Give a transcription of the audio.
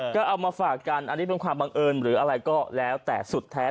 ก็เอามาฝากกันอันนี้เป็นความบังเอิญหรืออะไรก็แล้วแต่สุดแท้